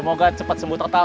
semoga cepat sembuh tak tahu